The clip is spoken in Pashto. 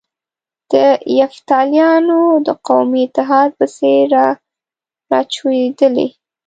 د یفتلیانو د قومي اتحاد په څېر را کوچېدلي.